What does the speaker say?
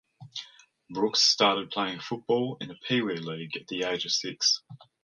Brooks started playing football in a pee wee league at the age of six.